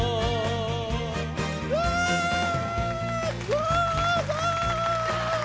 うわ！